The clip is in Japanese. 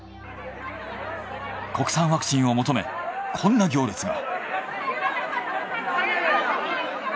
国産ワクチンを求めこんな行列が。